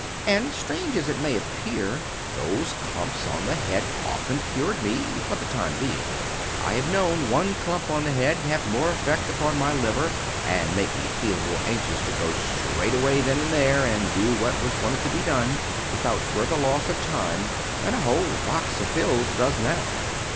And, strange as it may appear, those clumps on the head often cured me—for the time being. I have known one clump on the head have more effect upon my liver, and make me feel more anxious to go straight away then and there, and do what was wanted to be done, without further loss of time, than a whole box of pills does now.